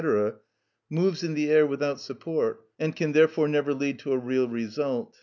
moves in the air without support, and can therefore never lead to a real result.